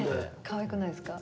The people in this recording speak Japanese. かわいくないですか？